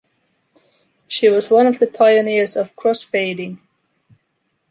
She was one of the pioneers of cross-fading.